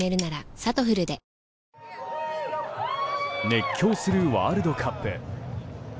熱狂するワールドカップ。